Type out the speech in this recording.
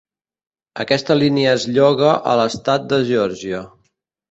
Aquesta línia es lloga a l'estat de Georgia